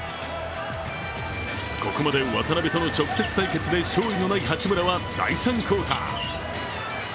ここまで渡邊との直接対決で勝利のない八村は第３クオーター。